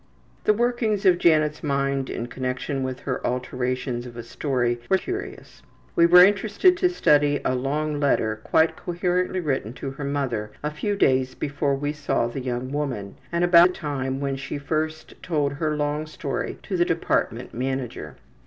The workings of Janet's mind in connection with her alterations of a story were sometimes most curious. We were interested to study a long letter quite coherently written to her mother a few days before we saw the young woman, and about the time when she first told her long story to the department manager.